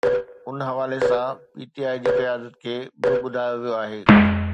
ان حوالي سان P T I جي قيادت کي به ٻڌايو ويو آهي